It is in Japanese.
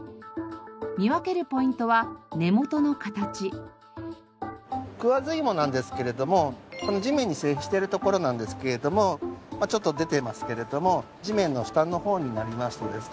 見分けるポイントはクワズイモなんですけれどもこの地面に接しているところなんですけれどもちょっと出てますけれども地面の下の方になりますとですね